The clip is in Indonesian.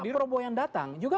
tapi kalau pak prabowo yang datang